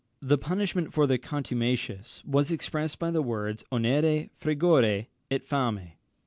The punishment for the contumacious was expressed by the words onere, frigore, et fame.